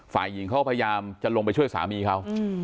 ฝ่ายหญิงเขาพยายามจะลงไปช่วยสามีเขา